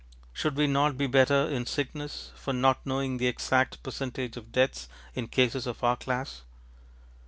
Should we not be better in sickness for not knowing the exact percentage of deaths in cases of our class?